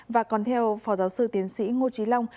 và còn theo phó giáo sư tiến sĩ ngô trí long